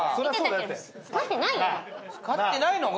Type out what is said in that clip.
使ってないのか？